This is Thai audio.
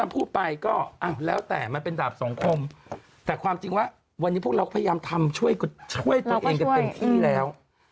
พูดไปก็แล้วแต่มันเป็นดาบสังคมแต่ความจริงว่าวันนี้พวกเราพยายามทำช่วยตัวเองกันเต็มที่แล้ว